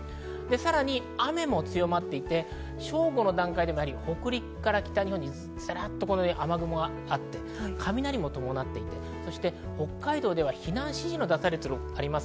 さらに雨も強まっていて、正午の段階で北陸から北日本、雨雲があって、雷も伴っていて、北海道では避難指示が出されているところもあります。